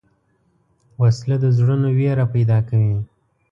وسله د زړونو وېره پیدا کوي